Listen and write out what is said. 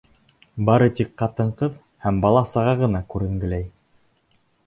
Бары тик ҡатын-ҡыҙ һәм бала-саға ғына күренгеләй.